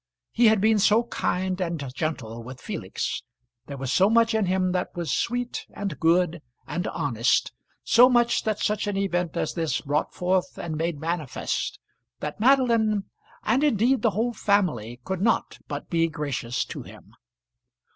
He had been so kind and gentle with Felix, there was so much in him that was sweet and good and honest, so much that such an event as this brought forth and made manifest, that Madeline, and indeed the whole family, could not but be gracious to him.